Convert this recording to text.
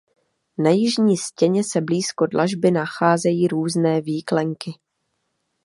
Na jižní stěně se blízko dlažby nacházejí různé výklenky.